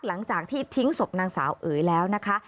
หลังจากที่ทิ้งศพนางสาวเอ๋ยแล้วนะคะ